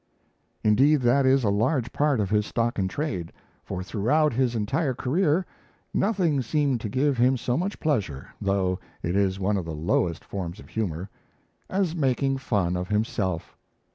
Indeed, that is a large part of his stock in trade; for throughout his entire career, nothing seemed to give him so much pleasure though it is one of the lowest forms of humour as making fun of himself.